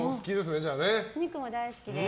お肉大好きです。